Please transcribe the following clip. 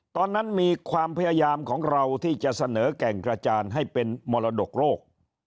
ตอนนั้นมีความพยายามของเราที่จะเสนอแก่งกระจานให้เป็นมรดกโลก